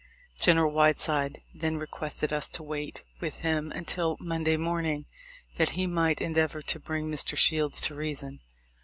General Whiteside then requested us to wait with him until Monday morning, that he might endeavor to bring Mr. Shields to reason.